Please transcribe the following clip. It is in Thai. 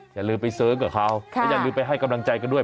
อย่าลืมไปเสิร์ฟกับเขาและอย่าลืมไปให้กำลังใจกันด้วย